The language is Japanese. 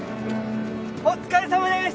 お疲れさまです